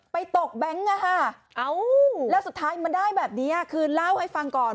ตกแบงค์แล้วสุดท้ายมันได้แบบนี้คือเล่าให้ฟังก่อน